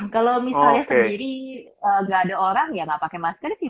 kalau misalnya sendiri nggak ada orang ya nggak pakai masker sih